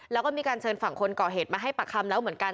แล้วก็มีการเชิญฝั่งคนก่อเหตุมาให้ปากคำแล้วเหมือนกัน